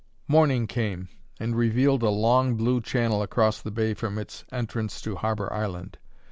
Morning came, and revealed a long blue channel across the bay from its entrance to Harbour Island.